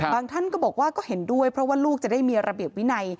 ท่านก็บอกว่าก็เห็นด้วยเพราะว่าลูกจะได้มีระเบียบวินัย